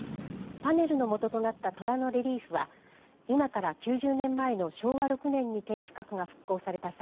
パネルの元となった虎のレリーフは今から９０年前の昭和６年に天守閣が復興された際